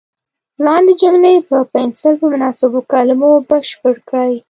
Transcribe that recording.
لاندې جملې په پنسل په مناسبو کلمو بشپړې کړئ.